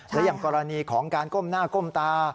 และอย่างกรณีของการก้มหน้าก้มตา